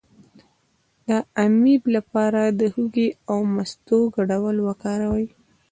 د امیب لپاره د هوږې او مستو ګډول وکاروئ